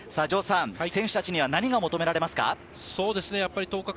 選手たちには何が求められますか？